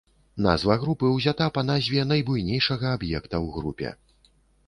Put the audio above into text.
Назва групы ўзята па назве найбуйнейшага аб'екта ў групе.